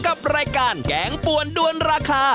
กับรายการแกงปวนด้วนราคา